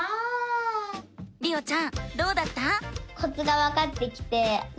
りおちゃんどうだった？